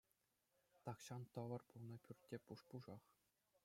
Тахҫан тӑвӑр пулнӑ пӳрт те пуш-пушах.